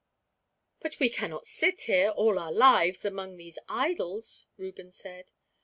"But we cannot sit here, all our lives, among these idols," Reuben said.